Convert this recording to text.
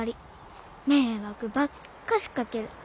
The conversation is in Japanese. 迷惑ばっかしかける。